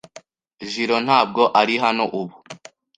Jiro ntabwo ari hano ubu.